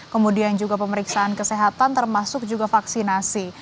kemudian juga pemeriksaan kesehatan termasuk juga vaksinasi